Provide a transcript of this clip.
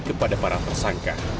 kepada para tersangka